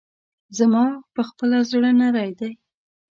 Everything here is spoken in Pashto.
زما پخپله زړه نری دی.